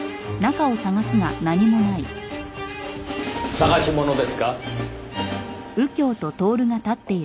捜し物ですか？